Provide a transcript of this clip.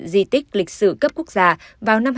di tích lịch sử cấp quốc gia vào năm hai nghìn một mươi bốn